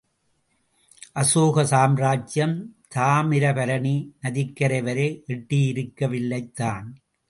அசோக சாம்ராஜ்யம் தாமிரபருணி நதிக்கரை வரை எட்டியிருக்கவில்லைதான்.